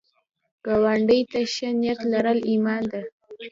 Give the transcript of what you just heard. ګاونډي ته ښه نیت لرل ایمان ده